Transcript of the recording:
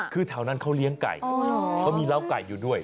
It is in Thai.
คือแถวนั้นเขาเลี้ยงไก่เขามีเล้าไก่อยู่ด้วย